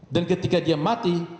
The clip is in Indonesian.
dan ketika dia mati